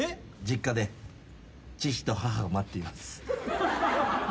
実家で父と母が待っています。